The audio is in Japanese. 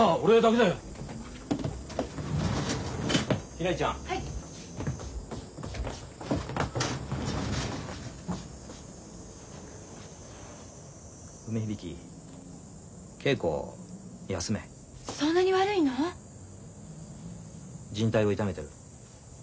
じん帯を痛めてる。